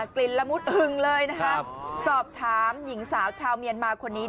กลิ่นละมุดหึงเลยนะคะสอบถามหญิงสาวชาวเมียนมาคนนี้